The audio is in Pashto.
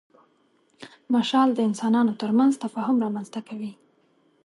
مشال د انسانانو تر منځ تفاهم رامنځ ته کوي.